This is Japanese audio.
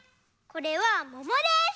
これはももです！